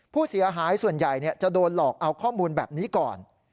ผู้เสียหายส่วนใหญ่จะโดนหลอกเอาข้อมูลแบบนี้ก่อน